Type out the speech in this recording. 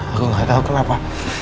aku gak tahu kenapa